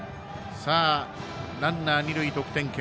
ランナー、二塁、得点圏。